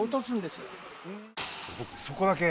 僕そこだけ。